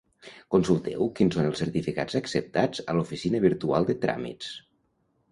Consulteu quins són els certificats acceptats a l'Oficina Virtual de Tràmits.